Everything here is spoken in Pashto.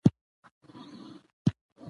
ور رسېدلي وو نو دې خویندو دغه خپل